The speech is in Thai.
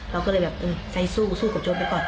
เราก็เลยแบบเออใจสู้สู้กับโจ๊กไปก่อน